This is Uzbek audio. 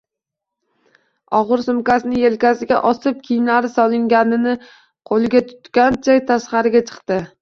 Og`ir sumkasini elkasiga osib, kiyimlari solinganini qo`liga tutgancha tashqariga chiqdi